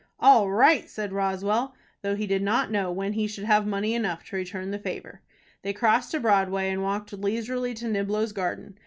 "All right!" said Roswell, though he did not know when he should have money enough to return the favor. They crossed to Broadway, and walked leisurely to Niblo's Garden.